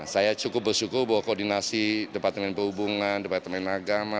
saya cukup bersyukur bahwa koordinasi departemen perhubungan departemen agama